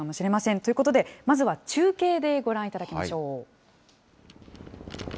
ということで、まずは中継でご覧いただきましょう。